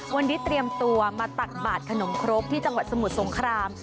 วันนี้เตรียมตัวมาตักบาดขนมครกที่จังหวัดสมุทรสงคราม